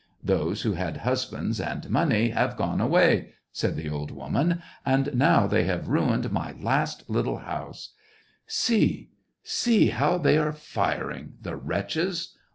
'* "Those who had husbands and money have gone away," said the old woman, " and now they have ruined my last little house. See, see how thqy are firing, the wretches.